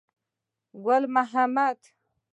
ګل محمد.